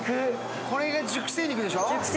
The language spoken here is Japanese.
これが熟成肉でしょ？